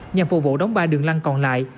nhằm phục vụ đóng ba đường lăng còn lại